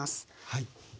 はい。